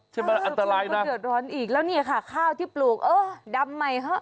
ใช่ไหมอันตรายนะแล้วนี่ค่ะข้าวที่ปลูกดำใหม่